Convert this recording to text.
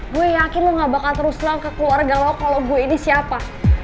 gue yakin lu gak bakal terus langka keluarga lo kalo gue ini siapa